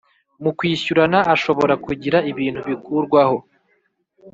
Mu kwishyurana ashobora kugira ibintu bikurwaho